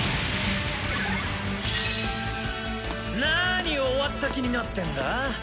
なぁに終わった気になってんだ？